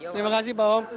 terima kasih pak om